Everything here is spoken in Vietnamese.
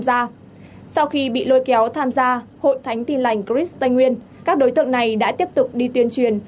sau khi bị lôi kéo tham gia hội thánh tin lành christ tây nguyên các đối tượng này đã tiếp tục đi tuyên truyền